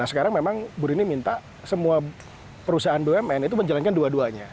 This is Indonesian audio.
nah sekarang memang bu rini minta semua perusahaan bumn itu menjalankan dua duanya